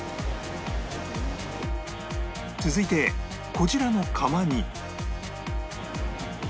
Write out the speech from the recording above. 続いてこちらの釜に